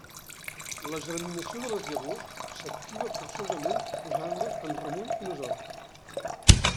La germinació de les llavors s'activa forçosament posant-les en remull unes hores.